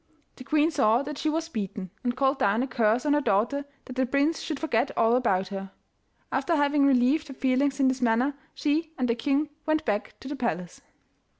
The queen saw that she was beaten, and called down a curse on her daughter that the prince should forget all about her. After having relieved her feelings in this manner, she and the king went back to the palace.